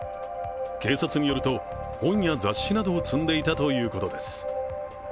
警察によると、本や雑誌などを積んでいたということです。